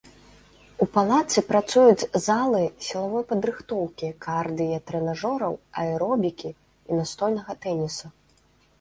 У палацы працуюць залы сілавой падрыхтоўкі, кардыя-трэнажораў, аэробікі і настольнага тэніса.